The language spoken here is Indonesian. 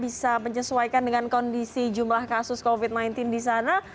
bisa menyesuaikan dengan kondisi jumlah kasus covid sembilan belas di sana